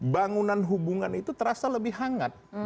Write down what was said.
bangunan hubungan itu terasa lebih hangat